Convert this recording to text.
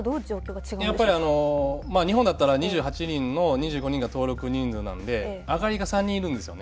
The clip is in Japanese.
やっぱり日本だったら２８人の２５人が登録人数なので上がりが３人いるんですよね。